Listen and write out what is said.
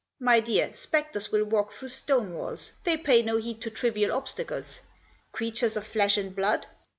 My dear, spectres will walk through stone walls. They pay no heed to trivial obstacles. Creatures of flesh and blood